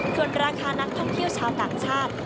ส่วนราคานักท่องเที่ยวชาวต่างชาติ